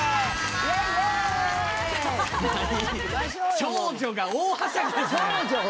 長女大はしゃぎ！